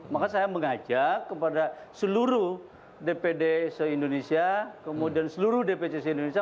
maka saya mengajak kepada seluruh dpd se indonesia kemudian seluruh dpc indonesia